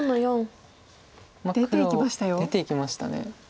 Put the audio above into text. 出ていきました。